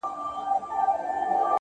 هره ناکامي د بیا هڅې بلنه ده.!